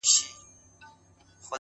زما خوبـونو پــه واوښـتـل;